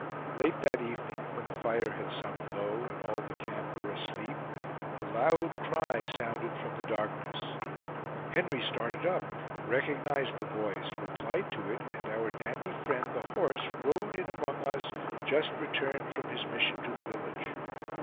Late that evening, when the fire had sunk low, and all the camp were asleep, a loud cry sounded from the darkness. Henry started up, recognized the voice, replied to it, and our dandy friend, The Horse, rode in among us, just returned from his mission to the village.